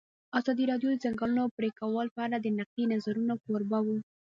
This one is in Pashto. ازادي راډیو د د ځنګلونو پرېکول په اړه د نقدي نظرونو کوربه وه.